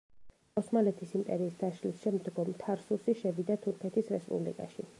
ოსმალეთის იმპერიის დაშლის შემდგომ, თარსუსი შევიდა თურქეთის რესპუბლიკაში.